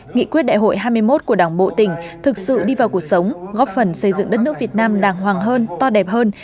nghị quyết đại hội hai mươi một của đảng bộ tỉnh thực sự đi vào cuộc sống góp phần xây dựng đất nước việt nam đàng hoàng hơn to đẹp hơn